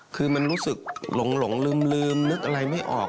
คือมันรู้สึกหลงลืมนึกอะไรไม่ออก